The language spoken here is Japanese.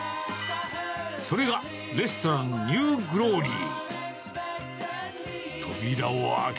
それがレストラン、ニューグローリー。